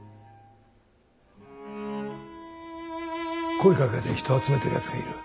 声かけて人集めてるやつがいる。